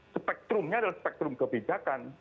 spektrumnya adalah spektrum kebijakan